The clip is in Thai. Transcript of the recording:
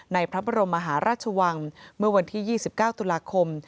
พระบรมมหาราชวังเมื่อวันที่๒๙ตุลาคม